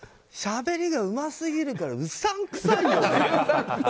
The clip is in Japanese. しゃべりがうますぎるからうさんくさいよね。